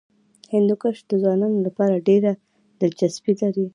هندوکش د ځوانانو لپاره ډېره دلچسپي لري.